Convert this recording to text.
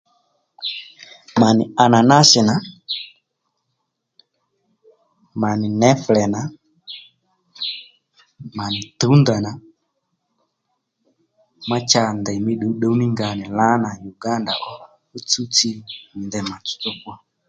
Mà nì Ananasinǎ, mà nì nefùlè nǎ, mànì tǔndà nà má cha ndèymí dǔwdǔw ní nga nì lǎnà nì Uganda ó nì tsúwtsi nì ndey mà tsotso kwo